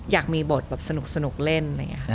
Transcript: อยากมีบทแบบสนุกเล่น